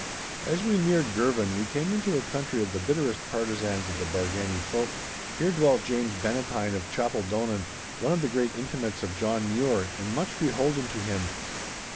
As we neared Girvan, we came into a country of the bitterest partizans of the Bargany folk. Here dwelt James Bannatyne of Chapeldonnan, one of the great intimates of John Mure, and much beholden to him.